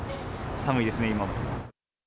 寒いですね、今も。